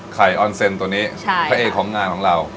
ออนเซ็นตัวนี้พระเอกของงานของเรา